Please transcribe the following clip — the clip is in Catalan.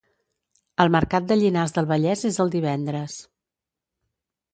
El mercat de Llinars del Vallès és el divendres